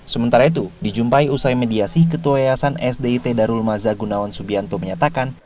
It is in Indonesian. sementara itu dijumpai usai mediasi ketua yayasan sdit darul maza gunawan subianto menyatakan